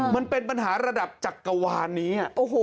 มันเป็นปัญหาระดับจักรวาลนี้